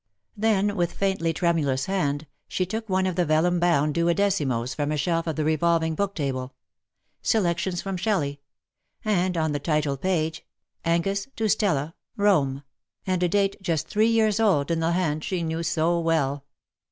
Then, with faintly tremulous hand, she took one of the vellum bound duodecimos from a shelf of the revolving book table — "Selections from Shelley ^^— and on the title page, " Angus to Stella, Rome,"" and a date, just three years old, in the hand she knew so well.